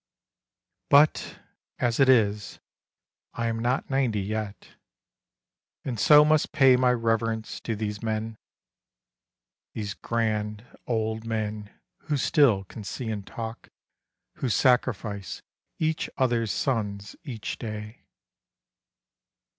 But as it is, I am not ninety yet And so must pay my reverence to these men, — These grand old men who still can see and talk Who sacrifice each other's sons each day.